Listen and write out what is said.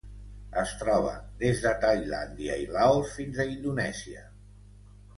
Es troba des de Tailàndia i Laos fins a Indonèsia.